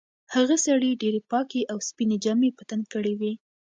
هغه سړي ډېرې پاکې او سپینې جامې په تن کړې وې.